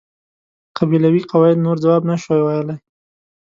قبیلوي قواعد نور ځواب نشوای ویلای.